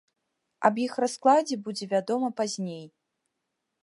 Аб іх раскладзе будзе вядома пазней.